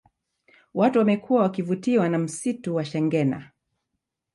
Watu wamekuwa wakivutiwa na msitu wa shengena